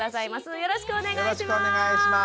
よろしくお願いします。